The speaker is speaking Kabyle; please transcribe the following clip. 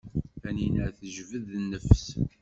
Taninna tejbed nnefs.